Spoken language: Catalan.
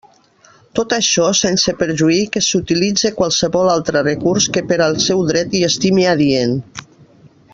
Tot això sense perjuí que s'utilitze qualsevol altre recurs que per al seu dret hi estime adient.